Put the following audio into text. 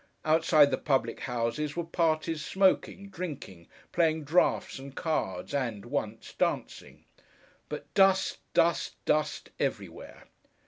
Outside the public houses were parties smoking, drinking, playing draughts and cards, and (once) dancing. But dust, dust, dust, everywhere.